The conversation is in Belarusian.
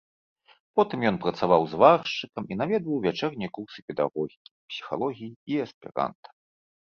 Потым ён працаваў зваршчыкам і наведваў вячэрнія курсы педагогікі, псіхалогіі і эсперанта.